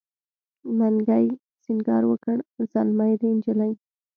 منګي سینګار وکړ زلمی دی نجلۍ